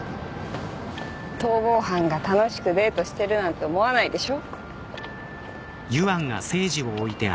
逃亡犯が楽しくデートしてるなんて思わないでしょ？